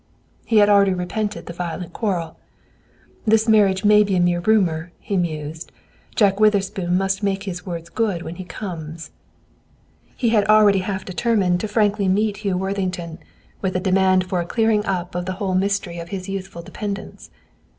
He had already repented the violent quarrel. "This marriage may be a mere rumor," he mused. "Jack Witherspoon must make his words good when he comes." He had already half determined to frankly meet Hugh Worthington with a demand for a clearing up of the whole mystery of his youthful dependence.